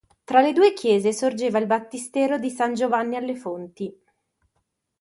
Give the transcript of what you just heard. Tra le due chiese sorgeva il battistero di San Giovanni alle Fonti.